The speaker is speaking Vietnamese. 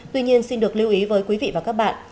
tuy nhiên xin được lưu ý với quý vị và các bạn